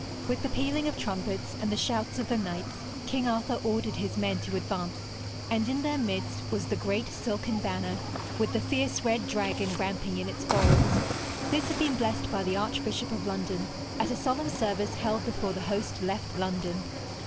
With the pealing of trumpets and the shouts of the knights, King Arthur ordered his men to advance, and in their midst was the great silken banner with the fierce red dragon ramping in its folds. This had been blessed by the Archbishop of London at a solemn service held before the host left London.